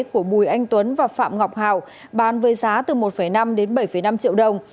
của bùi anh tuấn và phạm ngọc hào bán với giá từ một năm đến bảy năm triệu đồng